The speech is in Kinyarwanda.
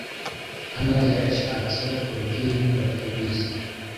Anna yarashatse ababyeyi be batabizi.